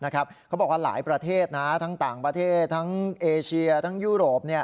เขาบอกว่าหลายประเทศทั้งต่างประเทศทั้งเอเชียทั้งยุโรป